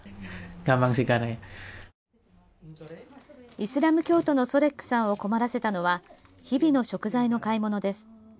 イスラム教徒のソレックさんを困らせたのは日々の食材の買い物です。